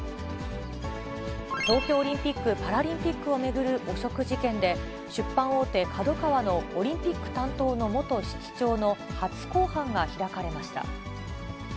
東京オリンピック・パラリンピックを巡る汚職事件で、出版大手、ＫＡＤＯＫＡＷＡのオリンピック担当の元室長の初公判が開かれました。